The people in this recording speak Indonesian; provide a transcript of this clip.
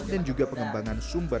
dan juga pengembangan suku